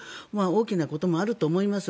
大きなこともあると思います。